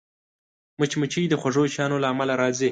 مچمچۍ د خوږو شیانو له امله راځي